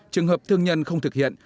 trường hợp thương nhân không thực hiện